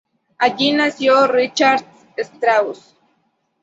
Allí conoció a Richard Strauss.